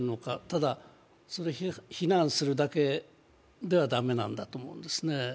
ただ非難するだけでは駄目なんだと思うんですね。